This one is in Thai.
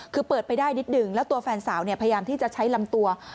คือเปิดไปได้นิดหนึ่งแล้วตัวแฟนสาวพยายามที่จะใช้ลำตัว